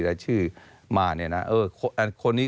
แต่ชื่อมาเนี่ยนะ